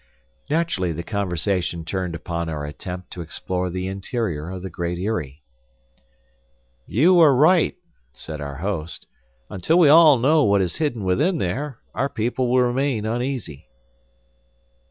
Naturally the conversation turned upon our attempt to explore the interior of the Great Eyrie. "You are right," said our host, "until we all know what is hidden within there, our people will remain uneasy."